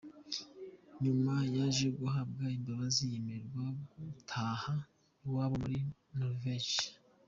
Nyuma yaje guhabwa imbabazi yemererwa gutaha iwabo muri Norvege.